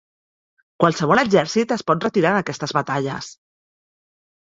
Qualsevol exèrcit es pot retirar d'aquestes batalles.